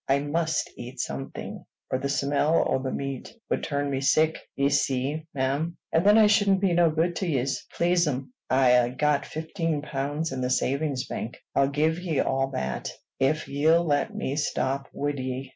I must eat something, or the smell o' the meat would turn me sick, ye see, ma'am; and then I shouldn't be no good to yez. Please 'm, I ha' got fifteen pounds in the savings bank: I'll give ye all that, if ye'll let me stop wid ye."